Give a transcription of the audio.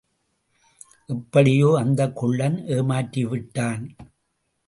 எப்படியோ அந்தக் குள்ளன் ஏமாற்றிவிட்டான்.